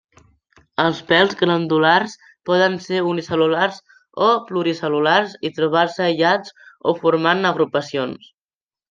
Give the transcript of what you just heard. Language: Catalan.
Els pèls glandulars poden ser unicel·lulars o pluricel·lulars i trobar-se aïllats o formant agrupacions.